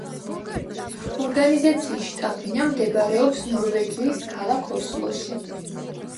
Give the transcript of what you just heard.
ორგანიზაციის შტაბ-ბინა მდებარეობს ნორვეგიის ქალაქ ოსლოში.